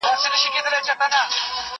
زه کولای سم موسيقي اورم!.